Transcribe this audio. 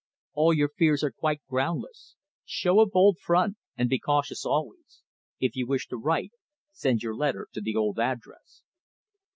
All your fears are quite groundless. Show a bold front and be cautious always. If you wish to write, send your letter to the old address."